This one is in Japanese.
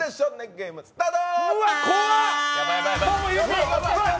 ゲーム」スタート。